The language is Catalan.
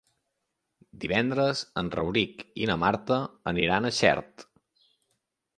Divendres en Rauric i na Marta aniran a Xert.